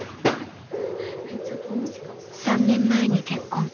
３年前に結婚。